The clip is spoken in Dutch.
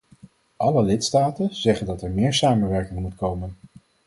Alle lidstaten zeggen dat er meer samenwerking moet komen.